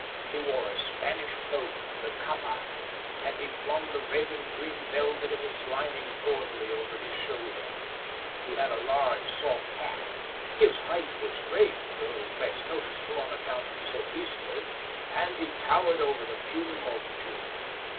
He wore a Spanish cloak, the capa, and he flung the red and green velvet of its lining gaudily over his shoulder. He had a large soft hat. His height was great, though less noticeable on account of his obesity, and he towered over the puny multitude.